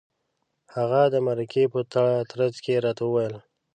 هغه د مرکې په ترڅ کې راته وویل.